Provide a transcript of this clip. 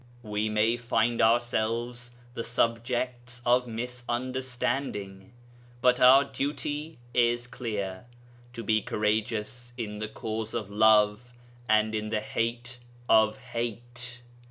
We may find ourselves the subjects of misunderstanding. But our duty is clear to be courageous in the cause of love and in the hate of hate.